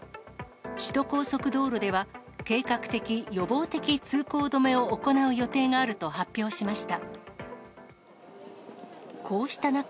首都高速道路では、計画的・予防的通行止めを行う予定があると発表しました。